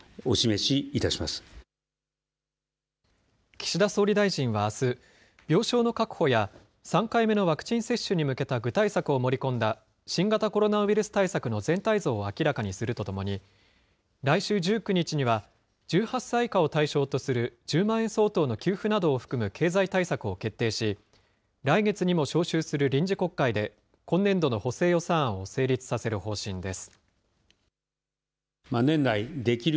岸田総理大臣はあす、病床の確保や３回目のワクチン接種に向けた具体策を盛り込んだ新型コロナウイルス対策の全体像を明らかにするとともに、来週１９日には、１８歳以下を対象とする１０万円相当の給付などを含む経済対策を決定し、来月にも召集する臨時国会で、今年度の補正予算案を成立させる方針です。